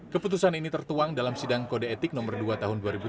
keputusan ini tertuang dalam sidang kode etik no dua tahun dua ribu tiga